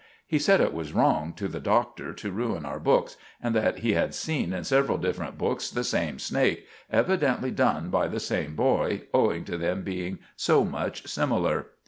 He said it was wrong to the Doctor to ruin our books, and that he had seen in several different books the same snake, evidently done by the same boy, owing to them being so much similar.